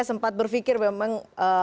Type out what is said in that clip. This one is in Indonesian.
sempat berpikir memang